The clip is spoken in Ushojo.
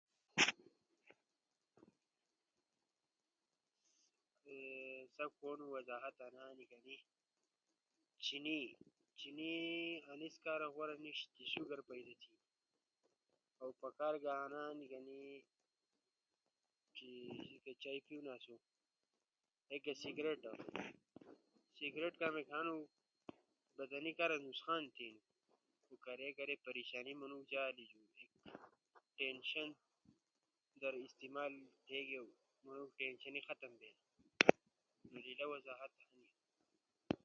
سا کھونو وجاحت انا ہنی کنأ چینی انیس کارا غورا نیش کے شوگر پیدا تھینی، اؤ پکار گا انا ہنی چی چیئی تھیونا آسو۔ ایک سگریٹ ۔ سگریٹ کامیک ہنو بدنی کارا نقصان تھیو، خو کارے کاڑے پریشانی منوݜ جا آلی او ایک سگریٹ تینشن در استعمال تھیگیو ٹینشن ختم بینو۔